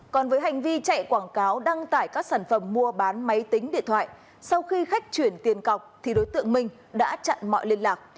còn với hành vi chạy quảng cáo đăng tải các sản phẩm mua bán máy tính điện thoại sau khi khách chuyển tiền cọc thì đối tượng minh đã chặn mọi liên lạc